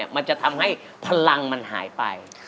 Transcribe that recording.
มันจะทำให้พลังมันหายไป